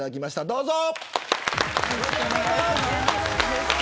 どうぞ。